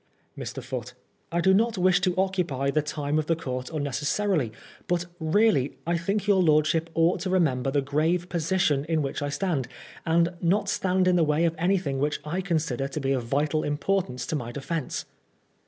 Mr. Foote : I do not wish to occupy the time of the conrt unnecessarily, but really I think your lordship ought to remem ber the grave position in which I stand, and not stand in the way of anything which I consider to be of vital importance to my defence.